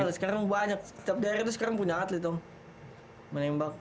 banyak sekarang banyak setiap daerah itu sekarang punya atlet om menembak